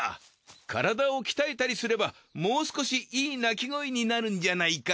体を鍛えたりすればもう少しいい鳴き声になるんじゃないか？